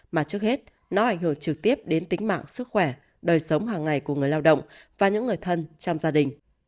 mà trước hết nó ảnh hưởng trực tiếp đến tính mạng sức khỏe đời sống hàng ngày của người lao động và những người thân trong gia đình